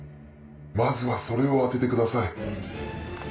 まずはそれを当ててください。